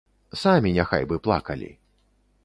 Самі няхай бы плакалі.